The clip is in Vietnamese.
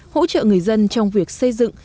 hỗ trợ người dân trong việc xây dựng